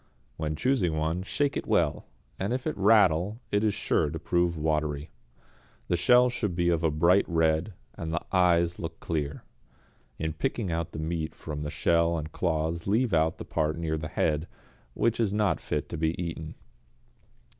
When choosing one shake it well; if it rattle it is sure to prove watery. The shell should be of a bright red, and the eyes look clear. In picking out the meat from the shell and claws leave out the part near the head, which is not fit to be eaten.